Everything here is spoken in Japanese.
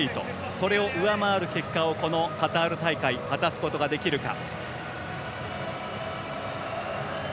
それを上回る結果をカタール大会で果たすことができるか。